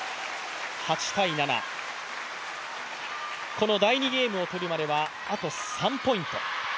この第２ゲームを取るまではあと３ポイント。